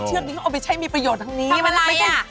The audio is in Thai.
เชือกนี้เอาไปใช่มีประโยชน์ทั้งนี้ทำอะไรอ่ะ